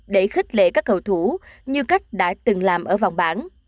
để khích lệ các cầu thủ như cách đã từng làm ở vòng bản